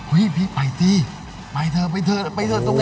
อุ้ยพี่ไปสิไปเถอะไปเถอะ